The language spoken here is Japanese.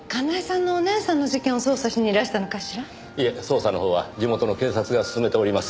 いえ捜査のほうは地元の警察が進めております。